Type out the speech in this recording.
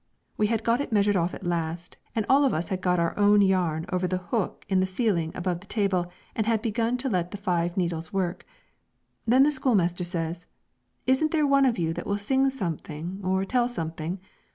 We had got it measured off at last, and all of us had got our yarn over the hook in the ceiling above the table, and had begun to let the five needles work. Then the schoolmaster says, "Isn't there one of you that will sing something or tell something?